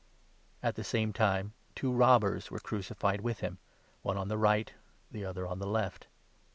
At the same time two robbers were crucified with him, one on 38 the right, the other on the left.